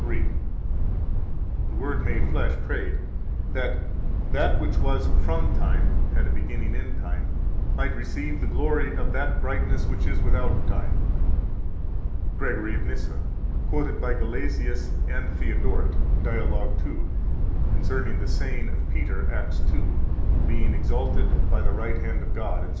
28): "The Word made flesh prayed that that which was from time [had a beginning in time] might receive the glory of that brightness which is without time." 106 GREGORY OF NYSSA, quoted by Gelasius and Theodoret, Dialog 2, concerning the saying of Peter, Acts 2: "Being exalted by the right hand of God," etc.